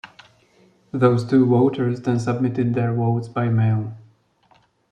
Those two voters then submitted their votes by mail.